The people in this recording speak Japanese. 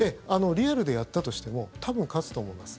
リアルでやったとしても多分勝つと思います。